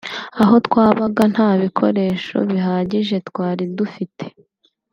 Aho twabaga nta bikoresho bihagije twari dufite